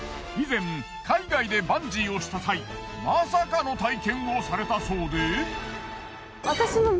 以前海外でバンジーをした際まさかの体験をされたそうで。